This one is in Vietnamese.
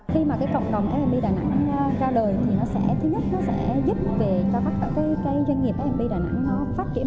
khi mà cộng đồng f d đà nẵng ra đời